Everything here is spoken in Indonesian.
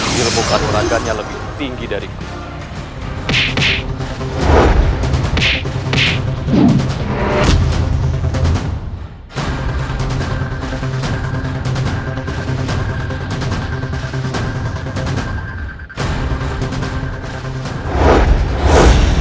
dia bukan orang yang lebih tinggi dari gue